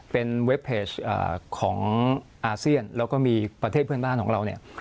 เป็นเว็บเพจของอาเซียนแล้วก็มีประเทศเพื่อนบ้านของเราเนี่ย